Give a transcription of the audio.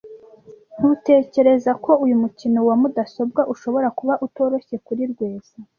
Ntutekereza ko uyu mukino wa mudasobwa ushobora kuba utoroshye kuri Rwesa?